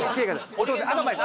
お父さんアドバイス！